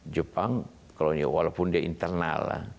jepang kalau ini walaupun dia internal